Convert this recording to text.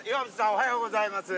おはようございます。